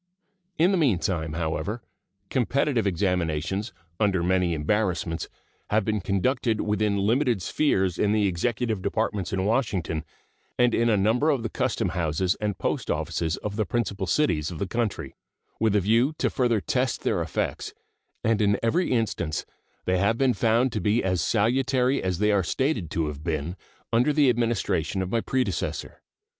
In the meantime, however, competitive examinations, under many embarrassments, have been conducted within limited spheres in the Executive Departments in Washington and in a number of the custom houses and post offices of the principal cities of the country, with a view to further test their effects, and in every instance they have been found to be as salutary as they are stated to have been under the Administration of my predecessor.